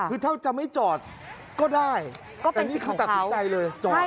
คือเท่าจะไม่จอดก็ได้ก็เป็นสิ่งของเขา